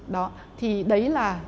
đó thì đấy là